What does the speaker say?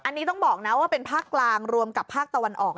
อันนี้ต้องบอกนะว่าเป็นภาคกลางรวมกับภาคตะวันออก